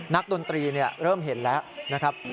ดนตรีเริ่มเห็นแล้วนะครับ